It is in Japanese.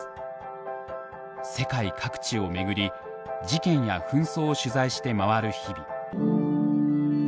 世界各地を巡り事件や紛争を取材して回る日々。